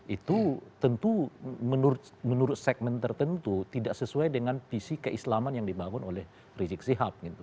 itu tentu menurut segmen tertentu tidak sesuai dengan visi keislaman yang dibangun oleh rizik sihab gitu